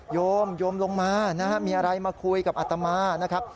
โยมโยมลงมามีอะไรมาคุยกับอาตมา